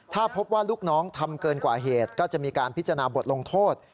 ถ้าพบว่าลูกน้องทำเกินกว่าเหตุก็จะมีการพิจารณาบทลงโทษ